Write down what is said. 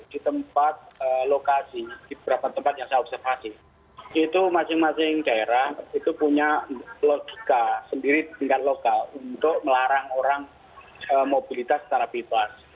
di tempat lokasi di beberapa tempat yang saya observasi itu masing masing daerah itu punya logika sendiri tingkat lokal untuk melarang orang mobilitas secara bebas